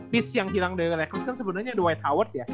piece yang hilang dari lakers kan sebenernya dwight howard ya